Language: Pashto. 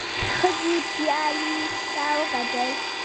ښځې پيالې ته وکتل.